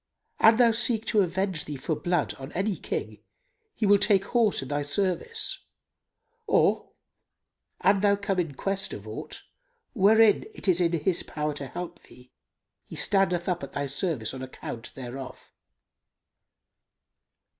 An thou seek to avenge thee for blood on any King, he will take horse in thy service; or, an thou come in quest of aught, wherein it is in his power to help thee, he standeth up at thy service on account thereof."